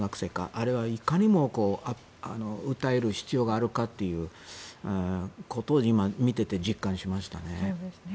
これはいかにも訴える必要性があることを今、見ていて実感しました。